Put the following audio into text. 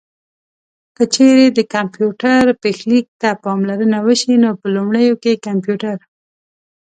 که چېرې د کمپيوټر پيښليک ته پاملرنه وشي نو په لومړيو کې کمپيوټر